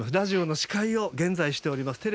ラジオの司会を現在しております。